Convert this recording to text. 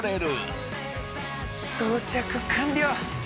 装着完了！